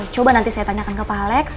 coba nanti saya tanyakan ke pak alex